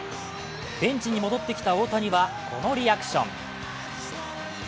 ベンチに戻ってきた大谷はこのリアクション。